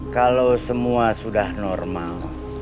kalau semua sudah normal